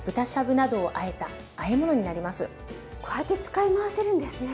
こうやって使い回せるんですね。